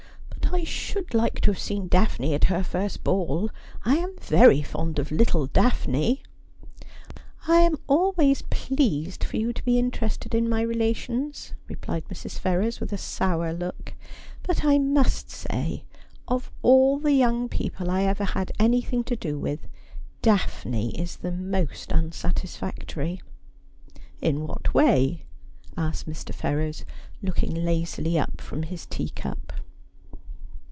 But I should like to have seen Daphne at her first ball. I am very fond of little Daphne.' ' I am always pleased for you to be interested in my rela tions,' replied Mrs. Ferrers, with a sour look ;' but I must say, of all the young people I ever had anything to do with, Daphne is the most unsatisfactory.' ' In what way ?' asked Mr. Ferrers, looking lazily up from his tea cup.